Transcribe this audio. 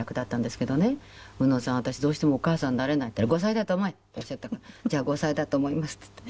私どうしてもお母さんになれない」って「後妻だと思え！」っておっしゃったから「じゃあ後妻だと思います」っつって。